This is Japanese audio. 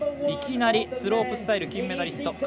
いきなりスロープスタイル金メダリスト